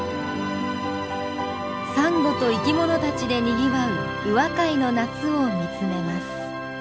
サンゴと生きものたちでにぎわう宇和海の夏を見つめます。